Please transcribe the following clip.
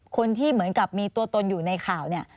คนที่เหมือนกับมีตัวตนอยู่ในข่าวเนี่ย